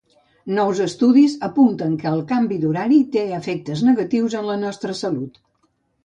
Nous estudis apunten que el canvi horari té efectes negatius en la nostra salut.